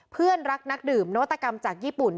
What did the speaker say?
เพื่อนรักนักดื่มนวัตกรรมจากญี่ปุ่น